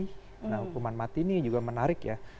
nah hukuman mati ini juga menarik ya